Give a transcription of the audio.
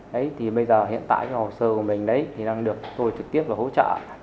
đấy thì bây giờ hiện tại cái hồ sơ của mình đấy thì đang được tôi trực tiếp và hỗ trợ